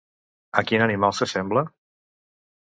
A quin animal s'assembla?